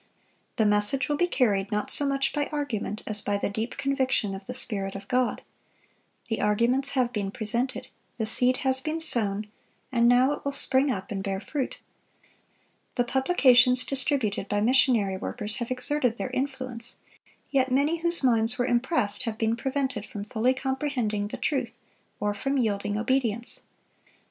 The message will be carried not so much by argument as by the deep conviction of the Spirit of God. The arguments have been presented. The seed has been sown, and now it will spring up and bear fruit. The publications distributed by missionary workers have exerted their influence, yet many whose minds were impressed have been prevented from fully comprehending the truth or from yielding obedience.